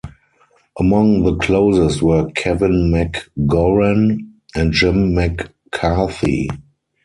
Among the closest were Kevin McGoran and Jim McCarthy.